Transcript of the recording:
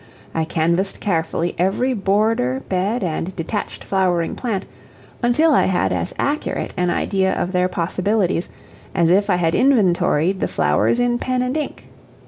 I canvassed carefully every border, bed, and detached flowering plant until I had as accurate an idea of their possibilities as if I had inventoried the flowers in pen and ink.